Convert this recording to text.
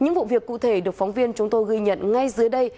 những vụ việc cụ thể được phóng viên chúng tôi ghi nhận ngay dưới đây